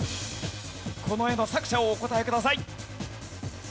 この絵の作者をお答えください。